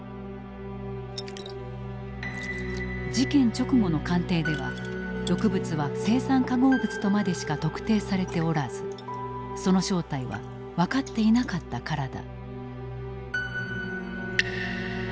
事件直後の鑑定では毒物は青酸化合物とまでしか特定されておらずその正体は分かっていなかったからだ。